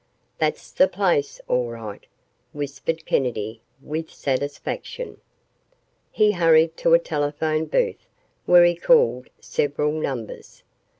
"That's the place, all right," whispered Kennedy with satisfaction. He hurried to a telephone booth where he called several numbers.